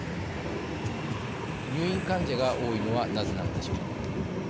入院患者が多いのはなぜなのでしょうか。